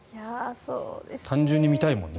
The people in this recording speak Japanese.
単純に見たいもんね。